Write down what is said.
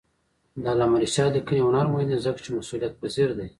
د علامه رشاد لیکنی هنر مهم دی ځکه چې مسئولیتپذیر دی.